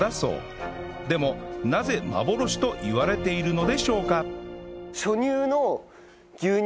でもなぜ幻といわれているのでしょうか？